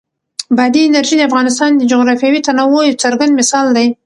بادي انرژي د افغانستان د جغرافیوي تنوع یو څرګند مثال دی.